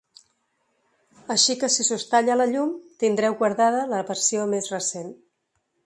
Així que si s’us talla la llum, tindreu guardada la versió més recent.